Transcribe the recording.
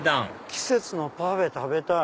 季節のパフェ食べたい。